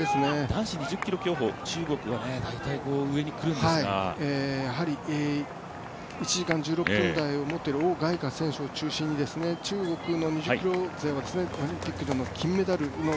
男子２０ｋｍ競歩、中国は大体上にくるんですがやはり１時間１６分台を持っている王選手を中心に中国の２０ｋｍ勢はオリンピックの金メダルの